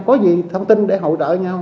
có gì thông tin để hỗ trợ nhau